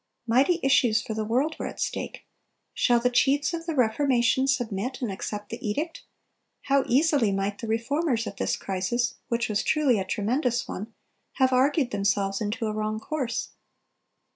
Mighty issues for the world were at stake. "Shall the chiefs of the Reformation submit, and accept the edict? How easily might the Reformers at this crisis, which was truly a tremendous one, have argued themselves into a wrong course!